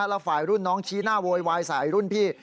แล้วฝ่ายรุ่นน้องชี้หน้าโวยวายใส่รุ่นพี่